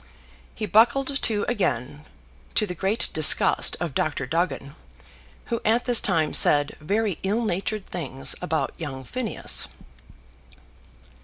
He buckled to again, to the great disgust of Dr. Duggin, who at this time said very ill natured things about young Phineas.